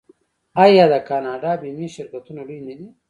آیا د کاناډا بیمې شرکتونه لوی نه دي؟